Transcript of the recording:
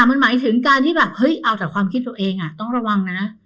มันหมายถึงการที่แบบเฮ้ยเอาแต่ความคิดตัวเองต้องระวังนะ